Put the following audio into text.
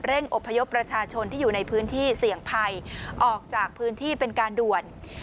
อบพยพประชาชนที่อยู่ในพื้นที่เสี่ยงภัยออกจากพื้นที่เป็นการด่วน